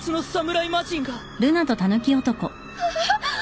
あっ。